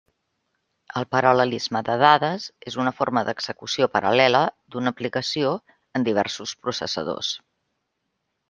El paral·lelisme de dades és una forma d’execució paral·lela d’una aplicació en diversos processadors.